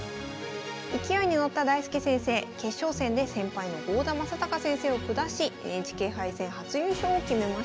勢いに乗った大介先生決勝戦で先輩の郷田真隆先生を下しＮＨＫ杯戦初優勝を決めました。